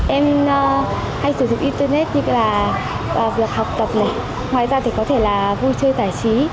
em hay sử dụng internet như việc học tập ngoài ra có thể là vui chơi giải trí